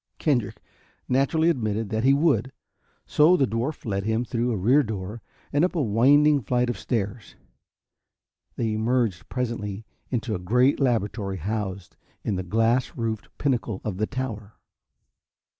Kendrick naturally admitted that he would, so the dwarf led him through a rear door and up a winding flight of stairs. They emerged presently into a great laboratory housed in the glass roofed pinnacle of the tower.